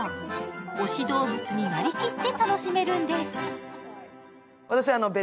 推しどうぶつになりきって楽しめるんです。